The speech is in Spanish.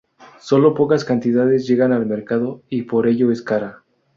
Sólo pocas cantidades llegan al mercado y por ello es cara.